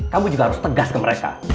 kamu juga harus tegas ke mereka